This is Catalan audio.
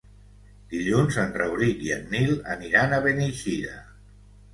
Dilluns en Rauric i en Nil aniran a Beneixida.